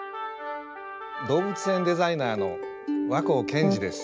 動物園デザイナーの若生謙二です。